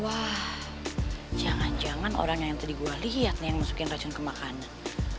wah jangan jangan orang yang tadi gue lihat nih yang masukin racun ke makanan